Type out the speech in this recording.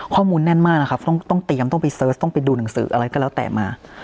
แน่นมากนะครับต้องเตรียมต้องไปเสิร์ชต้องไปดูหนังสืออะไรก็แล้วแต่มา